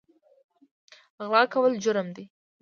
غلا کول جرم دی